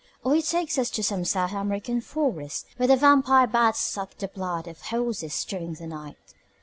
Or he takes us to some South American forest, where the vampire bats suck the blood of horses during the night.